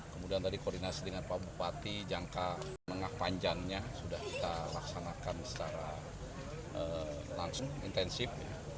kemudian tadi koordinasi dengan pak bupati jangka menengah panjangnya sudah kita laksanakan secara langsung intensif